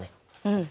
うん。